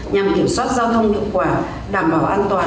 nhằm kiểm soát giao thông hiệu quả đảm bảo an toàn